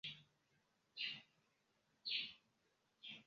En tiu sama jaro li finstudis.